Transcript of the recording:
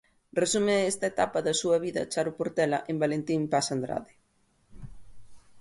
Resume esta etapa da súa vida Charo Portela en Valentín Paz Andrade.